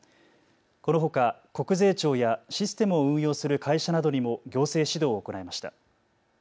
このほか国税庁やシステムを運用する会社などにも行政指導を行いました。